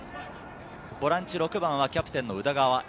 ボランチ６番はキャプテンの宇田川瑛